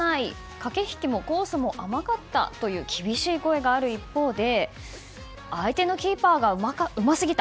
駆け引きもコースも甘かったという厳しい声がある一方で相手のキーパーがうますぎた。